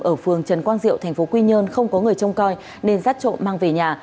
ở phường trần quang diệu tp quy nhơn không có người trông coi nên rát trộm mang về nhà